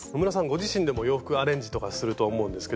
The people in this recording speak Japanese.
ご自身でも洋服アレンジとかすると思うんですけど。